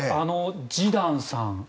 ジダンさん。